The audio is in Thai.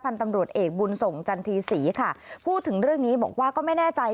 ตำรวจเอกบุญส่งจันทีศรีค่ะพูดถึงเรื่องนี้บอกว่าก็ไม่แน่ใจ